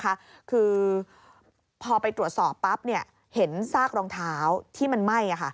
คือพอไปตรวจสอบปั๊บเห็นซากรองเท้าที่มันไหม้